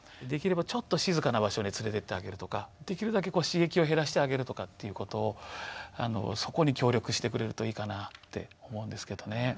できればちょっと静かな場所に連れていってあげるとかできるだけ刺激を減らしてあげるとかっていうことをそこに協力してくれるといいかなって思うんですけどね。